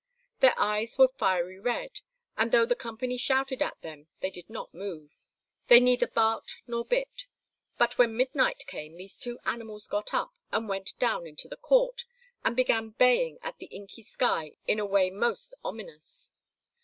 Their eyes were fiery red, and though the company shouted at them they did not move. They neither barked nor bit. But when midnight came these two animals got up and went down into the court, and began baying at the inky sky in a way most ominous.